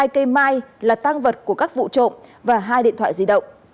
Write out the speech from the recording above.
hai cây mai là tăng vật của các vụ trộm và hai điện thoại di động